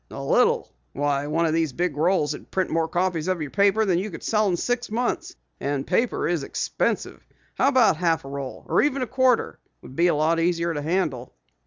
"A little! Why, one of these big rolls would print more copies of your paper than you could sell in six months! And paper is expensive. How about a half roll or even a quarter? It would be a lot easier to handle."